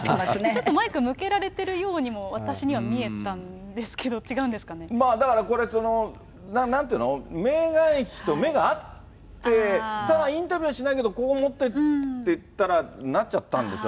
ちょっとマイク向けられているようにも私には見えたんですけまあだから、これ、なんていうの、メーガン妃と目が合って、インタビューしないけど、こう持ってったら、なっちゃったんですよ、